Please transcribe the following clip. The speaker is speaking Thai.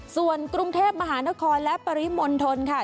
ส่วนกรุงเทพมหานครและปริมณฑลค่ะ